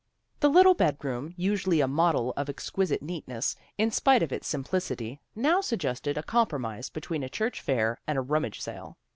The little bed room, usually a model of exquisite neatness, in spite of its simplicity, now suggested a compromise between a church fair and a rummage sale.